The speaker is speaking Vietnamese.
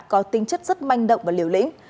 có tinh chất rất manh động và liều lĩnh